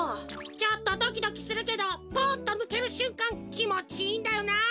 ちょっとドキドキするけどポンッとぬけるしゅんかんきもちいいんだよな！